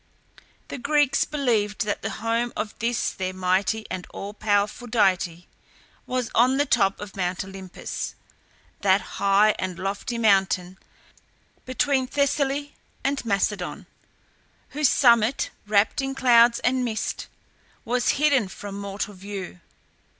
The Greeks believed that the home of this their mighty and all powerful deity was on the top of Mount Olympus, that high and lofty mountain between Thessaly and Macedon, whose summit, wrapt in clouds and mist, was hidden from mortal view.